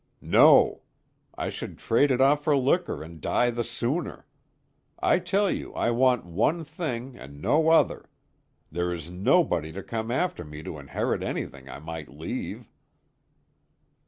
"No! I should trade it off for liquor and die the sooner. I tell you I want one thing and no other. There is nobody to come after me to inherit anything I might leave."